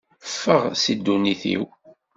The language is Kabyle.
Ffeɣ si ddunit-iw!